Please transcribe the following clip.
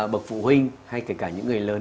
bậc phụ huynh hay kể cả những người lớn